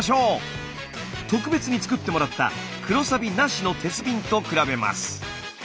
特別に作ってもらった黒サビなしの鉄瓶と比べます。